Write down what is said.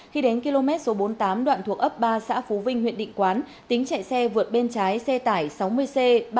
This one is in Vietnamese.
khi đến km số bốn mươi tám đoạn thuộc ấp ba xã phú vinh huyện định quán tính chạy xe vượt bên trái xe tải sáu mươi c ba mươi bốn nghìn năm trăm một mươi ba